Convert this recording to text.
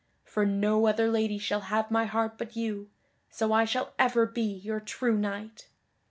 For no other lady shall have my heart but you, so I shall ever be your true knight.